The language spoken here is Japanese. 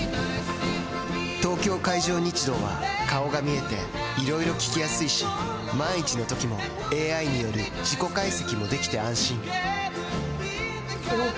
東京海上日動は顔が見えていろいろ聞きやすいし万一のときもＡＩによる事故解析もできて安心おぉ！